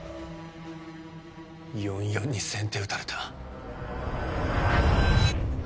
４４に先手を打たれた。